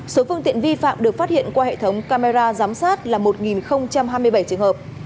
số phương tiện vi phạm được phát hiện qua hệ thống camera giám sát là một hai mươi bảy trường hợp